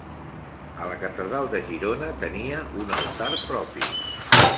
A la Catedral de Girona tenia un altar propi.